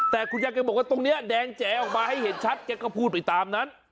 แต่คุณยายแกบอกว่าตรงนี้แดงแจออกมาให้เห็นชัดแกก็พูดไปตามนั้น